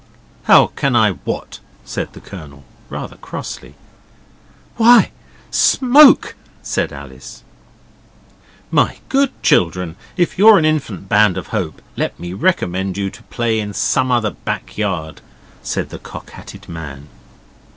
'How can I WHAT?' said the Colonel, rather crossly. 'Why, SMOKE?' said Alice. 'My good children, if you're an infant Band of Hope, let me recommend you to play in some other backyard,' said the Cock Hatted Man.